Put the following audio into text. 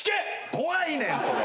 怖いねんそれ！